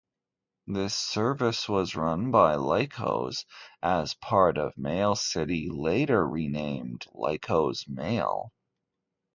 This service was run by Lycos as part of Mailcity, later renamed Lycos Mail.